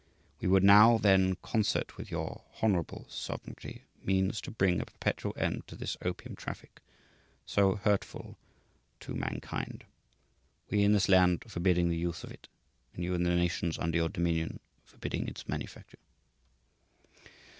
We would now then concert with your 'Hon. Sovereignty' means to bring a perpetual end to this opium traffic so hurtful to mankind, we in this land forbidding the use of it and you in the nations under your dominion forbidding its manufacture."